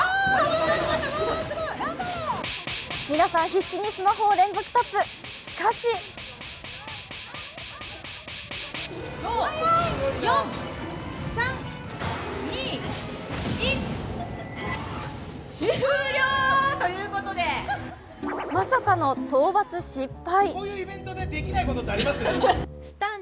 皆さん、必死にスマホを連続タップしかしまさかの討伐失敗。